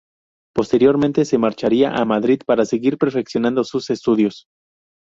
Posteriormente se marcharía a Madrid para seguir perfeccionando sus estudios.